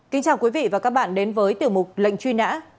kính chào quý vị và các bạn đến với tiểu mục lệnh truy nã